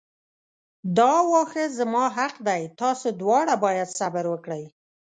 دا واښه زما حق دی تاسو دواړه باید صبر وکړئ.